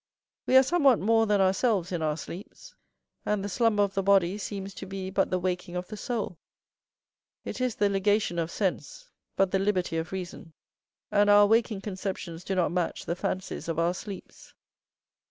We are somewhat more than ourselves in our sleeps; and the slumber of the body seems to be but the waking of the soul. It is the ligation of sense, but the liberty of reason; and our waking conceptions do not match the fancies of our sleeps.